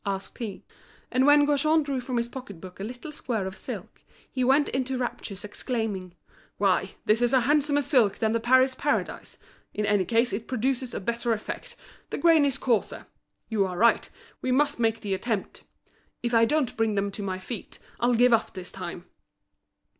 asked he. And when Gaujean drew from his pocket book a little square of silk, he went into raptures, exclaiming: "Why, this is a handsomer silk than the Paris Paradise! In any case it produces a better effect, the grain is coarser. You are right, we must make the attempt If I don't bring them to my feet, I'll give up this time!"